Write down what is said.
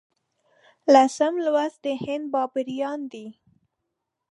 لسم لوست د هند بابریان دي.